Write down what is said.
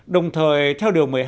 đồng thời theo điều một mươi hai